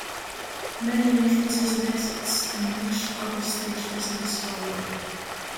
Many entrances and exits and much other stage business follow.